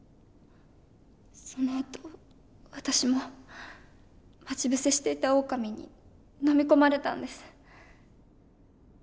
そのあと私も待ち伏せしていたオオカミに呑み込まれたんです。